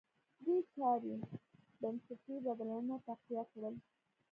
دې چارې بنسټي بدلونونه تقویه کړل.